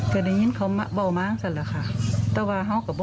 ก็ดายงั้นของเค้าแบ่งกันนี่แหละครับ